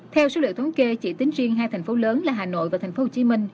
theo số liệu thống kê chỉ tính riêng hai thành phố lớn là hà nội và thành phố hồ chí minh